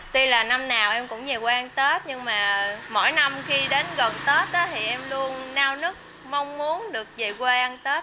tuy là năm nào em cũng về quê ăn tết nhưng mà mỗi năm khi đến gần tết thì em luôn neo nức mong muốn được về quê ăn tết